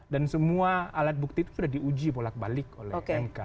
semua alat bukti itu sudah diuji bolak balik oleh mk